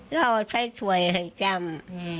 เวลากินท่า